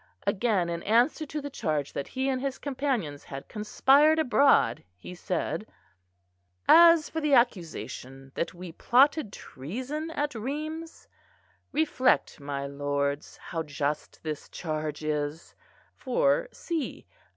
Again, in answer to the charge that he and his companions had conspired abroad, he said, "As for the accusation that we plotted treason at Rheims, reflect, my lords, how just this charge is! For see!